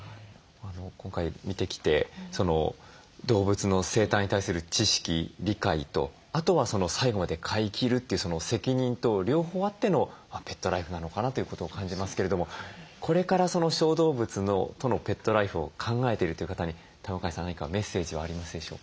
今回見てきて動物の生態に対する知識理解とあとは最後まで飼いきるという責任と両方あってのペットライフなのかなということを感じますけれどもこれから小動物とのペットライフを考えているという方に田向さん何かメッセージはありますでしょうか？